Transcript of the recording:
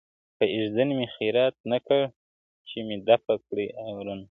یو ایږدن مي خیرات نه کړ چي مي دفع کړي اورونه؛